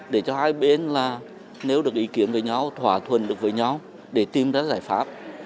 để cho hai bên là nếu được ý kiến với nhau thỏa thuận được với nhau để tìm ra giải pháp